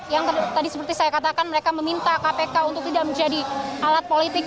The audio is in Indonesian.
yang tadi seperti saya katakan mereka meminta kpk untuk tidak menjadi alat politik